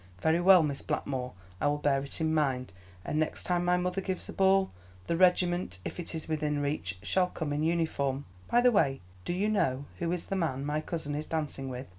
"Very well, Miss Blackmoor, I will bear it in mind; and next time my mother gives a ball, the regiment, if it is within reach, shall come in uniform. By the way, do you know who is the man my cousin is dancing with?